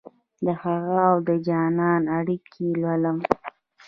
دهغه اودجانان اړیکې لولم